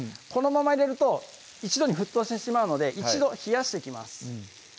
このまま入れると一度に沸騰してしまうので一度冷やしていきます